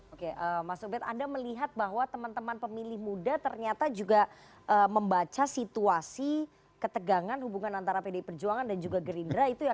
oke mas ubed anda melihat bahwa teman teman pemilih muda ternyata juga membaca situasi ketegangan hubungan antara pdi perjuangan dan juga gerindra